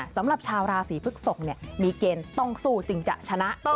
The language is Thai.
สำหรับชาวราศีพฤกษกมีเกณฑ์ต้องสู้จึงจะชนะ